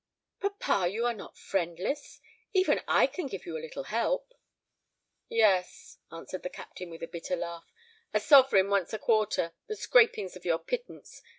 "Papa, you are not friendless; even I can give you a little help." "Yes," answered the Captain with a bitter laugh; "a sovereign once a quarter the scrapings of your pittance!